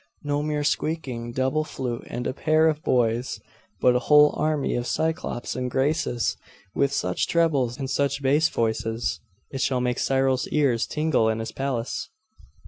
No mere squeaking double flute and a pair of boys: but a whole army of cyclops and graces, with such trebles and such bass voices! It shall make Cyril's ears tingle in his palace!